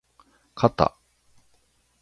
かた